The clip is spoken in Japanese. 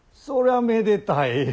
そらめでたい。